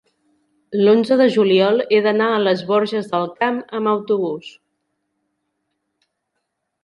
l'onze de juliol he d'anar a les Borges del Camp amb autobús.